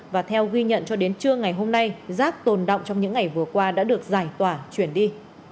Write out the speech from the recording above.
và theo ghi nhận cho đến trưa ngày hôm nay rác tồn động trong những ngày vừa qua đã được giải tỏa chuyển đi